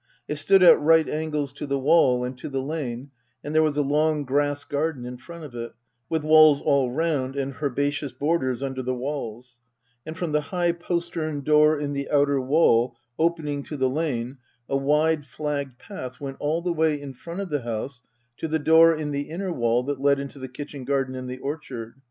It stood at right angles to the wall and to the lane, and there was a long grass garden in front of it, with walls all round and herbaceous borders under the walls ; and from the high postern door in the outer wall opening to the lane a wide flagged path went all the way in front of the house to the door in the inner wall that led into the kitchen garden and the orchard.